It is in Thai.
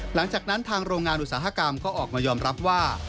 หลังจากนั้นทางโรงงานอุตสาหกรรมก็ออกมายอมรับว่า